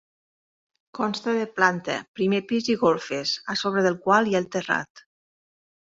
Consta de planta, primer pis i golfes, a sobre del qual hi ha el terrat.